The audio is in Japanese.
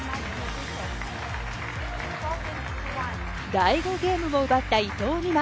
第５ゲームも奪った伊藤美誠。